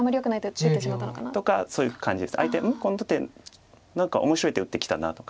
この手何か面白い手打ってきたな」とか。